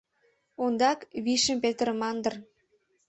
Ондак вишым петырыман дыр.